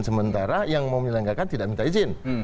sementara yang memilanggarkan tidak minta izin